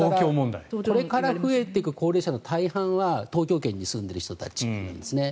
これから増えていく高齢者の大半は東京圏に住んでいる人たちなんですね。